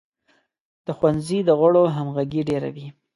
د ښوونځي د غړو همغږي ډیره وي.